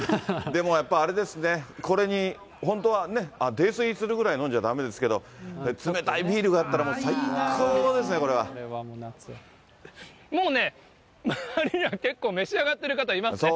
でもやっぱあれですね、これに本当はね、泥酔するぐらい飲んじゃだめですけど、冷たいビールがあったら最もうね、周りには結構召し上がってる方いますね。